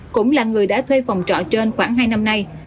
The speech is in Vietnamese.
cũng là người đã thuê phòng trọ trên khoảng hai năm nay